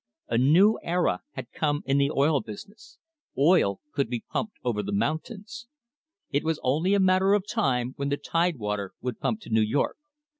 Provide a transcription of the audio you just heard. A new era had come in the oil business. Oil could be pumped over the mountains. It was only a matter of time when the Tidewater would pump to New York.